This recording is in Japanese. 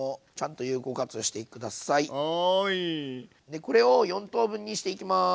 でこれを４等分にしていきます。